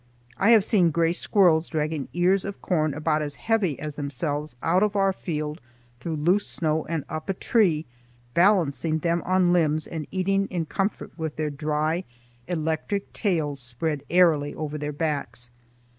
I have seen gray squirrels dragging ears of corn about as heavy as themselves out of our field through loose snow and up a tree, balancing them on limbs and eating in comfort with their dry, electric tails spread airily over their backs.